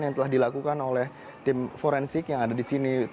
yang telah dilakukan oleh tim forensik yang ada di sini